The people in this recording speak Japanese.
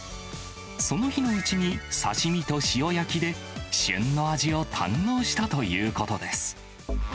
その日のうちに刺身と塩焼きで旬の味を堪能したということです。